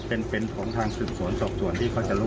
เป็นของทางศึกษวนสบส่วนที่เขาจะลุก